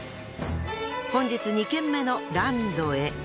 本日２軒目のランドへ。